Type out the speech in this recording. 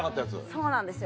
そうなんですよ。